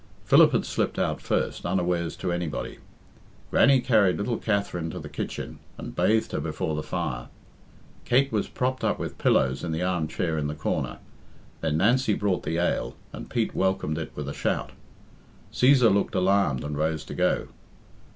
Philip had slipped out first, unawares to anybody. Grannie carried little Katherine to the kitchen, and bathed her before the fire. Kate was propped up with pillows in the armchair in the corner. Then Nancy brought the ale, and Pete welcomed it with a shout. Cæsar looked alarmed and rose to go.